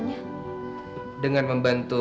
kamu harus menangkap si pembunuh